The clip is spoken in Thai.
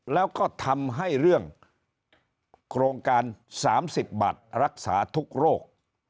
แล้วก็ทำให้เรื่องโครงการ๓๐บัตรรักษาทุกโรค